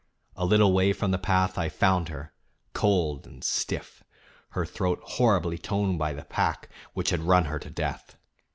A little way from the path I found her, cold and stiff, her throat horribly torn by the pack which had run her to death.